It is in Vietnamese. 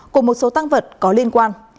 cùng một số tăng vật có liên quan